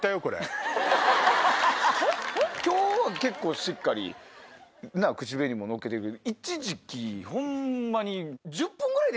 今日結構しっかり口紅ものっけてるけど一時期ホンマに。